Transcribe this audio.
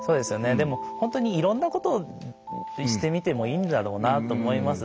でも本当にいろんなことをしてみてもいいんだろうなと思います。